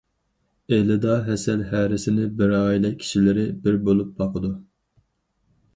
ئىلىدا ھەسەل ھەرىسىنى بىر ئائىلە كىشىلىرى بىر بولۇپ باقىدۇ.